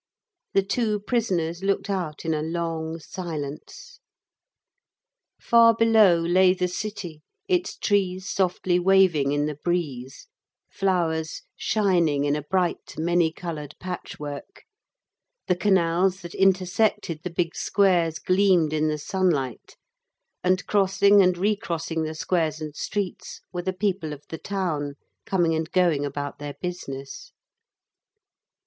The two prisoners looked out in a long silence. Far below lay the city, its trees softly waving in the breeze, flowers shining in a bright many coloured patchwork, the canals that intersected the big squares gleamed in the sunlight, and crossing and recrossing the squares and streets were the people of the town, coming and going about their business.